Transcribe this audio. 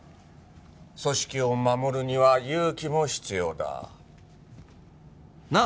組織を守るには勇気も必要だ。なあ？